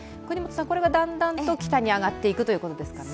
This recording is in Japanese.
これはだんだんと北に上がっていくということですかね？